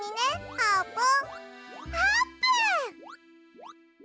あーぷん！